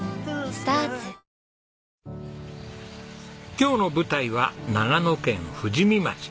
今日の舞台は長野県富士見町。